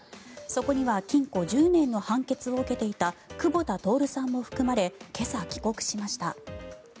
そこには禁錮１０年の判決を受けていた久保田徹さんも含まれ今朝、帰国しました。